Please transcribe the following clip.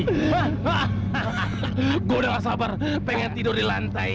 saya sudah tidak sabar saya ingin tidur di lantai